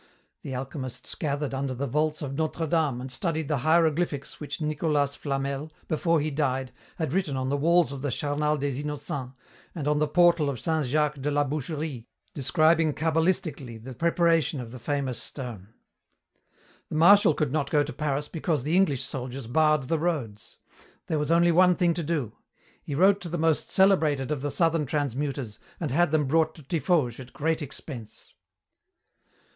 The alchemists gathered under the vaults of Notre Dame and studied the hieroglyphics which Nicolas Flamel, before he died, had written on the walls of the charnal Des Innocents and on the portal of Saint Jacques de la Boucherie, describing cabalistically the preparation of the famous stone. The Marshal could not go to Paris because the English soldiers barred the roads. There was only one thing to do. He wrote to the most celebrated of the southern transmuters, and had them brought to Tiffauges at great expense.